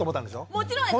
もちろんです。